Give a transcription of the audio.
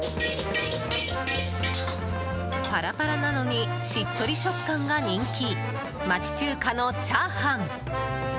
パラパラなのにしっとり食感が人気町中華のチャーハン。